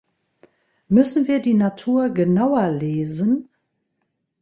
Müssen wir die Natur genauer lesen?